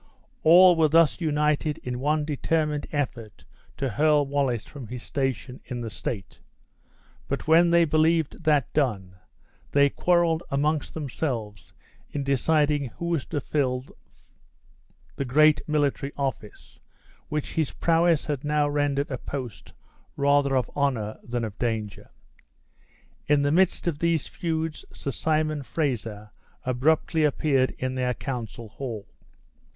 All were thus united in one determined effort to hurl Wallace from his station in the state. But when they believed that done, they quarreled amongst themselves in deciding who was to fill the great military office, which his prowess had now rendered a post rather of honor than of danger. In the midst of these feuds Sir Simon Fraser abruptly appeared in the council hall.